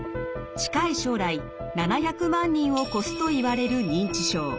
近い将来７００万人を超すといわれる認知症。